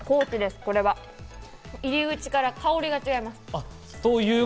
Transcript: これは入り口から香りが違います。